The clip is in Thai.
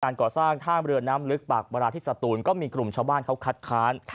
ก่อสร้างท่ามเรือน้ำลึกปากบราที่สตูนก็มีกลุ่มชาวบ้านเขาคัดค้าน